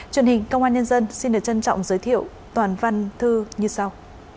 truyền hình công an nhân dân xin được trân trọng giới thiệu toàn văn thư như sau